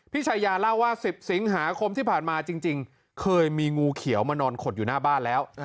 ชายาเล่าว่า๑๐สิงหาคมที่ผ่านมาจริงเคยมีงูเขียวมานอนขดอยู่หน้าบ้านแล้ว